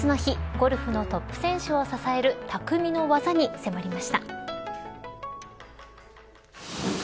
ゴルフのトップ選手を支える匠の技に迫りました。